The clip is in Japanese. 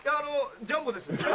ジャンボです